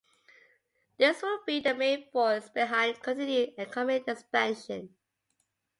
This will be the main force behind continued economic expansion.